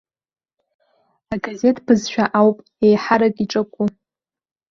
Агазеҭ бызшәа ауп еиҳарак иҿаку.